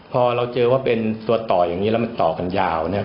พอเราเจอว่าเป็นตัวต่ออย่างนี้แล้วมันต่อกันยาวเนี่ย